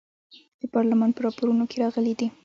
د پارلمان په راپورونو کې راغلي دي.